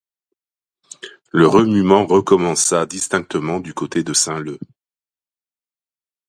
Le remuement recommença distinctement du côté de Saint-Leu.